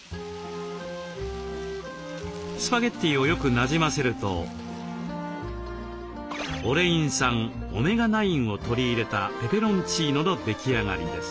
スパゲッティをよくなじませるとオレイン酸オメガ９を取り入れたペペロンチーノの出来上がりです。